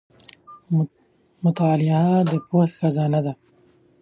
• مطالعه د پوهې خزانه ده.